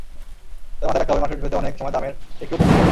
তবে মাথায় রাখতে হবে মার্কেটভেদে অনেক সময় দামের একটু ওপর-নিচ হয়।